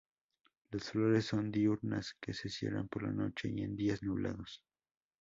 Las flores son diurnas, que se cierran por la noche y en días nublados.